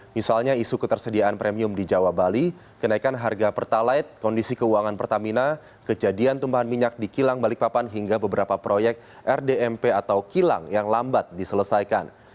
misalnya isu ketersediaan premium di jawa bali kenaikan harga pertalite kondisi keuangan pertamina kejadian tumpahan minyak di kilang balikpapan hingga beberapa proyek rdmp atau kilang yang lambat diselesaikan